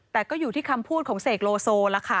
แต่ก็อยู่ที่คำพูดของเสกโลโซล่ะค่ะ